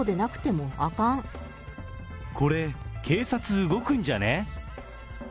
これ、警察動くんじゃね？